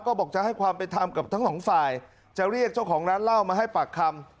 ก็บอกจะให้ความเป็นธรรมกับทั้งสองฝ่ายจะเรียกเจ้าของร้านเหล้ามาให้ปากคำ